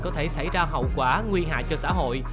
có thể xảy ra hậu quả nguy hại cho xã hội